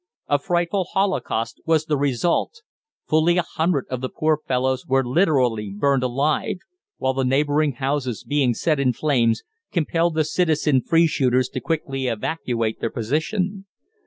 A frightful holocaust was the result. Fully a hundred of the poor fellows were literally burned alive; while the neighbouring houses, being set in flames, compelled the citizen free shooters to quickly evacuate their position.